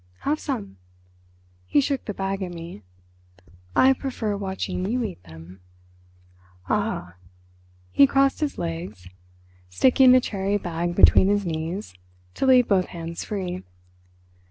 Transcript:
Have some?" He shook the bag at me. "I prefer watching you eat them." "Ah, ha!" He crossed his legs, sticking the cherry bag between his knees, to leave both hands free.